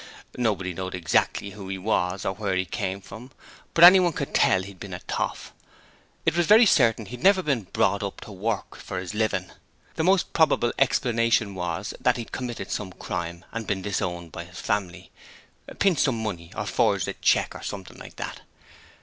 Nobody knowed exactly who 'e was or where 'e come from, but anyone could tell 'e'd been a toff. It was very certain 'e'd never bin brought up to work for 'is livin'. The most probable explanation was that 'e'd committed some crime and bin disowned by 'is family pinched some money, or forged a cheque or something like that.